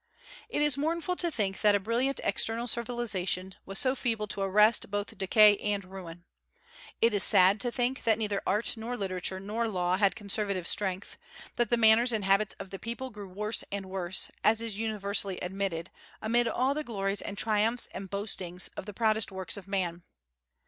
It is mournful to think that a brilliant external civilization was so feeble to arrest both decay and ruin. It is sad to think that neither art nor literature nor law had conservative strength; that the manners and habits of the people grew worse and worse, as is universally admitted, amid all the glories and triumphs and boastings of the proudest works of man.